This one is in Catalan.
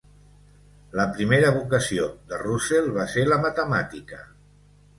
La primera vocació de Roussel va ser la matemàtica.